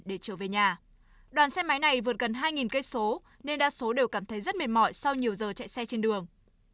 đoàn xe máy này vượt gần hai km nên đa số đều cảm thấy rất mệt mỏi sau nhiều giờ chạy xe trên đường